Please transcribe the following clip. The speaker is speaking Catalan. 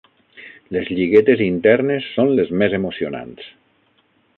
Les lliguetes internes són les més emocionants.